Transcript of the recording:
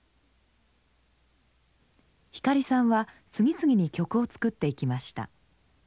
光さんは次々に曲を作っていきました。